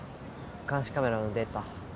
監視カメラのデータ